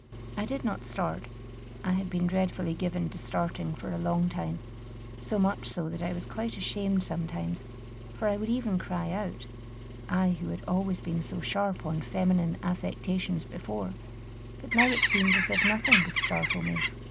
I did not start. I had been dreadfully given to starting for a long time, so much so that I was quite ashamed sometimes, for I would even cry out, I who had always been so sharp on feminine affectations before; but now it seemed as if nothing could startle me.